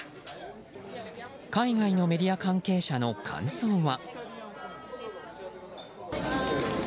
海外のメディア関係者の感想は。